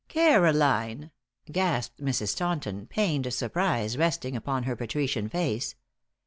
"Caroline!" gasped Mrs. Taunton, pained surprise resting upon her patrician face.